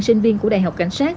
sinh viên của đại học cảnh sát